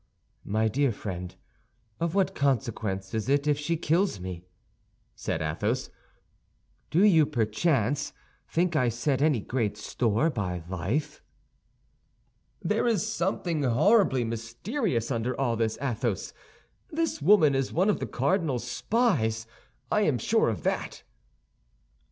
"My dear friend, of what consequence is it if she kills me?" said Athos. "Do you, perchance, think I set any great store by life?" "There is something horribly mysterious under all this, Athos; this woman is one of the cardinal's spies, I am sure of that."